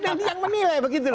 dan yang menilai begitu lho